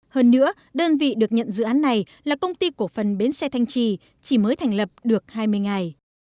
hơn nữa đơn vị được nhận dự án này là công ty cổ phần bến xe thanh trì chỉ mới thành lập được hai mươi ngày